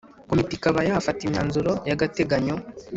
Komite ikaba yafata imyanzuro yagateganyo